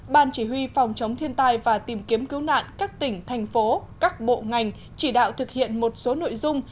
ban chỉ huy phòng chống thiên tai và tìm kiếm cứu nạn các tỉnh thành phố các bộ ngành chỉ đạo thực hiện một số nội dung